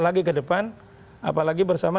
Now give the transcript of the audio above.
lagi ke depan apalagi bersama